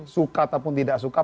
suka ataupun tidak suka